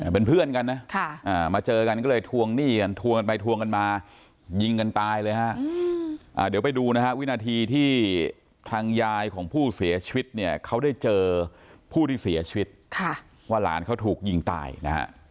เป็นเพื่อนกันนะมาเจอกันก็เลยทวงหนี้กันทวงกันไปทวงกัน